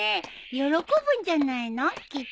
喜ぶんじゃないのきっと。